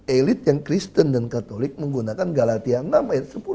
elit yang kristen dan katolik menggunakan galatian enam ayat sepuluh